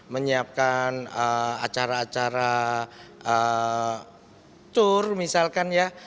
menyiapkan acara acara tour misalkan ya